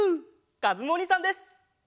かずむおにいさんです！